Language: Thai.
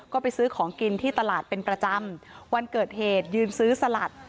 ก็ไปซื้อของกินที่ตลาดเป็นประจำวันเกิดเหตุยืนซื้อสลัด